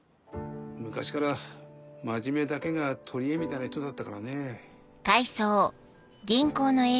昔から真面目だけが取りえみたいな人だったからね。